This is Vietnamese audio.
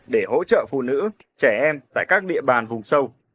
để hỗ trợ phụ nữ trẻ em tại các địa bàn vùng sâu vùng sâu